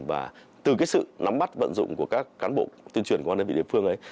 và từ cái sự nắm bắt vận dụng của các cán bộ tuyên truyền công an đơn vị địa phương ấy